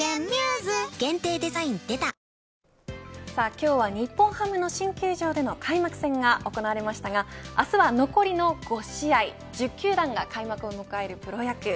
今日は日本ハムの新球場での開幕戦が行われましたが明日は残りの５試合１０球団が開幕を迎えるプロ野球。